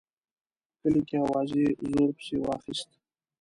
په کلي کې اوازې زور پسې واخیست.